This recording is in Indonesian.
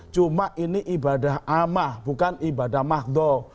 cuma ini ibadah amah bukan ibadah mahdoh